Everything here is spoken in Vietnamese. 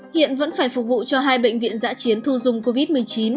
hiện vẫn phải phục vụ cho hai bệnh viện giã chiến thu dung covid một mươi chín